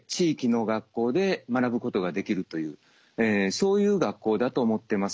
そういう学校だと思ってます。